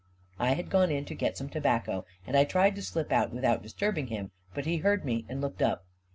I had gone in to get some tobacco, and I tried to slip out without disturbing him; but he heard me and looked up.